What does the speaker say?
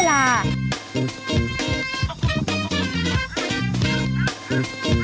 แอ้งจี้